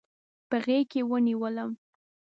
په غیږکې ونیولم